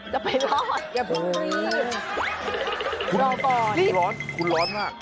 จะไปรอดเดี๋ยวรอก่อนรีบคุณร้อนคุณร้อนมาก